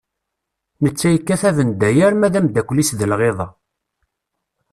Netta yekkat abendayer, ma d ameddakel-is d lɣiṭa.